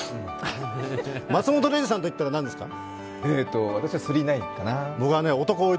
松本零士さんといったら何ですか？